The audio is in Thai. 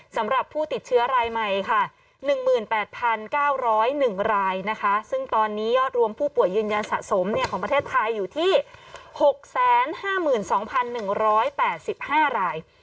สำหรับผู้ติดเชื้อรายใหม่ค่ะ๑๘๙๐๑รายนะคะซึ่งตอนนี้ยอดรวมผู้ป่วยยืนยันสะสมของประเทศไทยอยู่ที่๖๕๒๑๘๕ราย